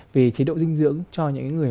về chế độ dinh dưỡng cho những người